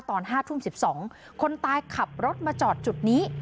ตอน๕ทุ่ม๑๒คนตายขับรถมาจอดจุดนี้